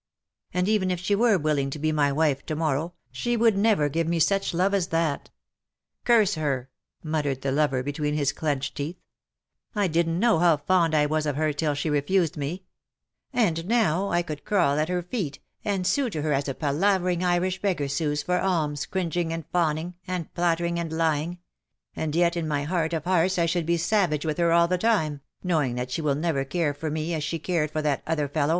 And, even if she were willing to be my wife to morrow, she would never give me such love as that. Curse her," muttered the lover between his clenched teeth ;" I didn^t know how fond I was of her till she refused me — and now, I could crawl at her feet, and sue to her as a palavering Irish beggar sues for alms, cringing and fawning, and flattering and lying — and yet in my heart of hearts I should be savage with her all the time, knowing that she will never care for me as she cared for that other fellow."